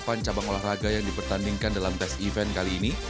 dan cabang olahraga yang dipertandingkan dalam tes event kali ini